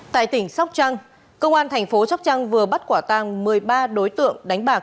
tại tỉnh sóc trăng công an thành phố sóc trăng vừa bắt quả tàng một mươi ba đối tượng đánh bạc